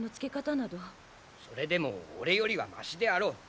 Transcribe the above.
それでも俺よりはましであろう。